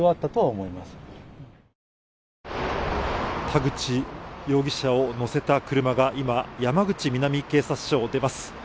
田口容疑者を乗せた車が今、山口南警察署を出ます。